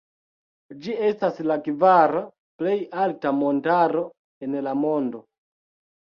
Ĝi estas la kvara plej alta montaro en la mondo.